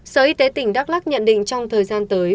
sở y tế tỉnh đắk lắc nhận định trong thời gian tới